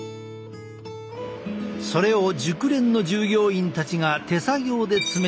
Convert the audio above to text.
それを熟練の従業員たちが手作業で詰めていく。